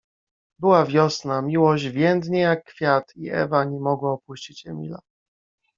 Była wiosna, „miłość więdnie jak kwiat”, i Ewa nie mogła opuścić Emila.